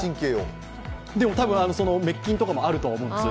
たぶん滅菌とかもあると思うんです。